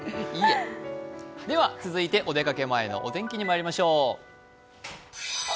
続いて、お出かけ前のお天気にまいりましょう。